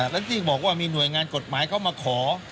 แล้วที่บอกว่ามีหน่วยงานกฎหมายเขามาขอ